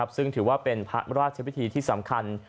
ซึ่งถือว่าเป็นพระราชพิธีที่สำคัญ